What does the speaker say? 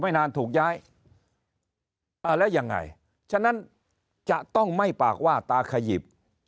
นานถูกย้ายอ่าแล้วยังไงฉะนั้นจะต้องไม่ปากว่าตาขยิบ